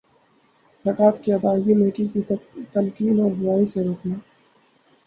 زکوۃ کی ادئیگی نیکی کی تلقین اور برائی سے روکنا